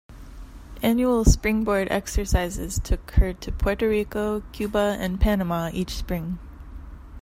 Annual "Springboard" exercises took her to Puerto Rico, Cuba, and Panama each spring.